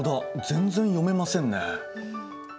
全然読めませんね。